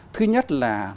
thứ nhất là